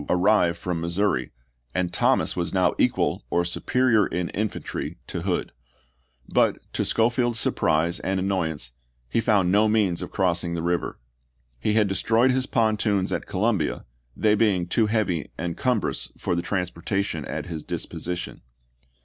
arrive from Missouri, and Thomas was now equal or superior in infantry to Hood. But, to Schofield's surprise and annoyance, he found no means of Nov.3o,i864. crossing the river. He had destroyed his pontoons at Columbia, they being too heavy and cumbrous for the transportation at his disposition.